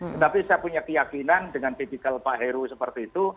tetapi saya punya keyakinan dengan tipikal pak heru seperti itu